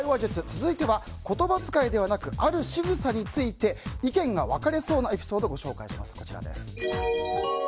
続いては、言葉づかいではなくあるしぐさについて意見が分かれそうなエピソードをご紹介します。